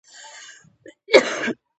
ښځې معمولا له کوره په یوازې ځان نه وځي.